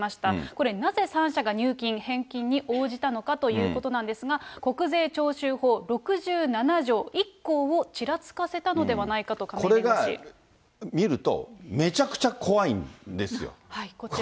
これ、なぜ３社が入金、返金に応じたのかということなんですが、国税徴収法６７条１項をちらつかせたのではないかと、これが、見ると、めちゃくちゃ怖いんですよ、これ。